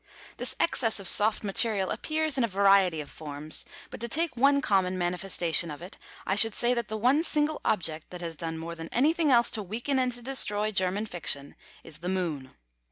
This excess of soft material appears in a variety of forms; but to take one common manifestation of it, I should say that the one single object that has done more than anything else to weaken and to destroy German fiction, is the Moon.